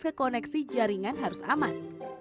ke koneksi jaringan harus aman